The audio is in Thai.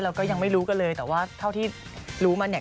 ก็ยังไม่รู้กันเลยแต่ว่าเท่าที่รู้มาเนี่ย